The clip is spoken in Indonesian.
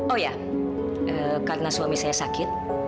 oh ya karena suami saya sakit